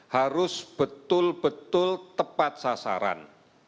harus betul betul tepat sasaran